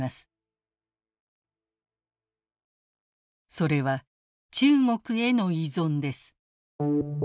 それは中国への依存です。